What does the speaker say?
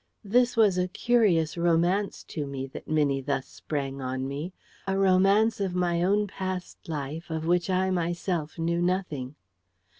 This was a curious romance to me, that Minnie thus sprang on me a romance of my own past life of which I myself knew nothing.